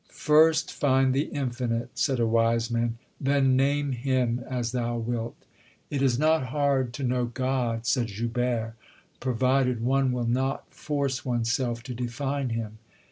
First find the Infinite, said a wise man, then name Him as thou wilt. "It is not hard to know God," said Joubert, "provided one will not force oneself to define Him."